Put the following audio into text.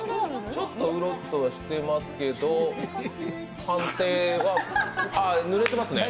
ちょっと、うるっとはしてますけど、判定はぬれてますね。